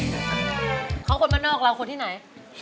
เขาคนบ้านนอกเราคนที่ไหน